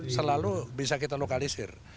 selalu bisa kita lokalisir